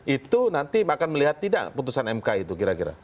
itu nanti akan melihat tidak putusan mk itu kira kira